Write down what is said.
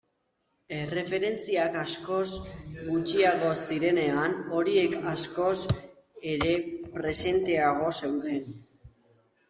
Erreferentziak askoz gutxiago zirenean, horiek askoz ere presenteago zeuden.